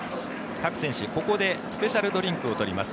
各選手、ここでスペシャルドリンクを取ります。